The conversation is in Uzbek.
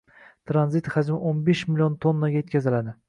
tranzit hajmi o'n besh million tonnaga yetkaziladi.